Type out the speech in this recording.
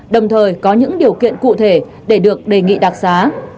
đồng thời có những điều kiện cụ thể để được đề nghị đặc xá